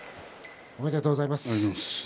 おめでとうございます。